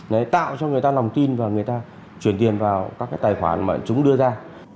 để tạo cho người ta lòng tin và người ta chuyển tiền vào các tài khoản mà chúng đưa ra